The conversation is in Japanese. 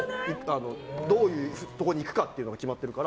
どういうところに行くかは決まってるから。